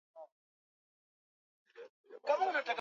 karibu na mto au maji usikimbilia huko kwa